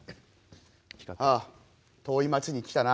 ああ遠い町に来たな。